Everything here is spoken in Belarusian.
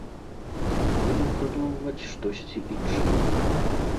Будзем прыдумваць штосьці іншае.